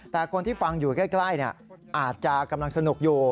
แต่คนที่ฟังอยู่ใกล้อาจจะกำลังสนุกอยู่